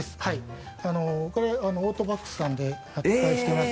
これ、オートバックスさんで発売しています